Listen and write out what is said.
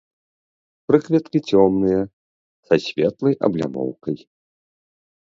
Прыкветкі цёмныя, са светлай аблямоўкай.